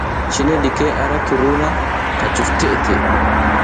Cine ɗike a ra tiruw na, ka cuf teʼe teʼe.